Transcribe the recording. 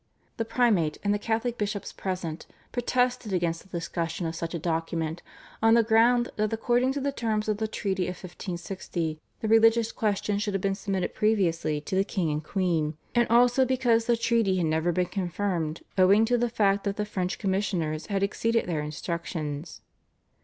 The Primate and the Catholic bishops present protested against the discussion of such a document on the ground that according to the terms of the Treaty of 1560 the religious question should have been submitted previously to the king and queen, and also because the treaty had never been confirmed owing to the fact that the French commissioners had exceeded their instructions.